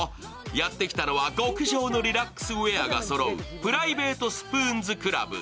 やってきたのは、極上のリラックスウエアがそろう、プライベート・スプーンズ・クラブ。